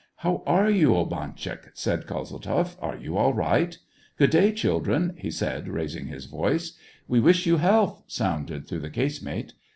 " How are you, Obantchuk t " said Kozeltzoff. " Are you all right .'* Good day, children !" he said, raising his voice. '' We wish you health !" sounded through the casemate.